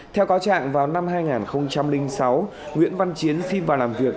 theo cáo trạng vào năm hai nghìn sáu nguyễn văn chiến xin vào làm việc